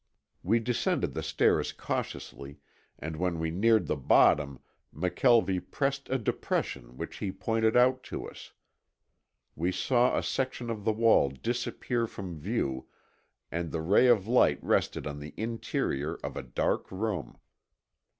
We descended the stairs cautiously, and when we neared the bottom McKelvie pressed a depression which he pointed out to us. We saw a section of the wall disappear from view and the ray of light rested on the interior of a dark room.